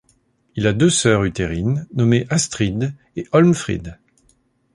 Il a deux sœurs utérine nommé Astrid et Holmfrid.